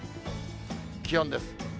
気温です。